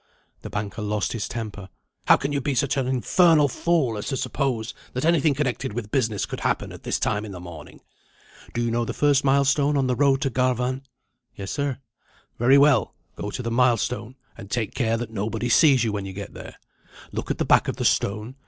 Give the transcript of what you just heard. The banker lost his temper. "How can you be such an infernal fool as to suppose that anything connected with business could happen at this time in the morning? Do you know the first milestone on the road to Garvan?" "Yes, sir." "Very well. Go to the milestone, and take care that nobody sees you when you get there. Look at the back of the stone.